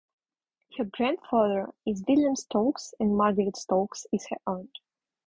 Her grandfather is William Stokes and Margaret Stokes is her aunt.